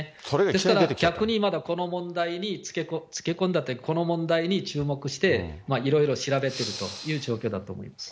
ですから逆にまだ、この問題につけ込んだというか、この問題に注目して、いろいろ調べてるという状況だと思います。